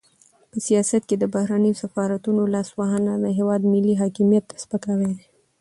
په سیاست کې د بهرنیو سفارتونو لاسوهنه د هېواد ملي حاکمیت ته سپکاوی دی.